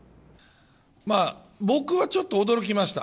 僕はちょっと驚きました。